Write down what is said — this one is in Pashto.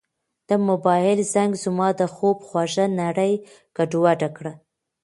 د موبایل زنګ زما د خوب خوږه نړۍ ګډوډه کړه.